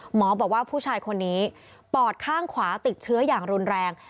หมอบอกว่าผู้ชายคนนี้ปอดข้างขวาติดเชื้ออย่างรุนแรง